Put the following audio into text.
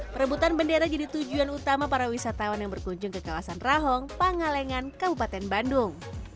perebutan bendera jadi tujuan utama para wisatawan yang berkunjung ke kawasan rahong pangalengan kabupaten bandung